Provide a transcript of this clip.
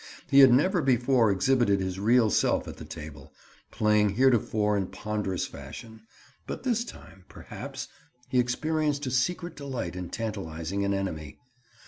He had never before exhibited his real self at the table, playing heretofore in ponderous fashion, but this time, perhaps, he experienced a secret delight in tantalizing an enemy.